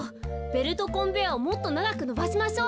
ベルトコンベヤーをもっとながくのばしましょう。